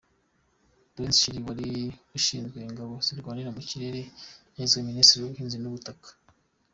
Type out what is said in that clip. Perence Shiri wari ushinzwe ingabo zirwanira mu kirere yagizwe Minisitiri w’Ubuhinzi n’Ubutaka.